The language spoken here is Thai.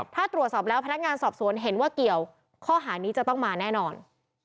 ถ้าตรวจสอบแล้วพนักงานสอบสวนเห็นว่าเกี่ยวข้อหานี้จะต้องมาแน่นอน